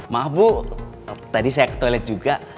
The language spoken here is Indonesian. maaf bu tadi saya ke toilet juga